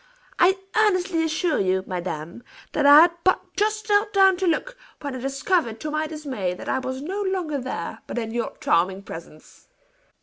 I earnestly assure you, madame, that I had but just knelt down to look, when I discovered to my dismay, that I was no longer there, but in your charming presence."